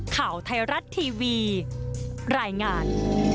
ข่าวไทยรัฐทีวีรายงาน